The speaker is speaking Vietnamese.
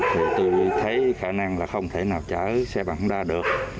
thì tôi thấy khả năng là không thể nào chở xe vận ra được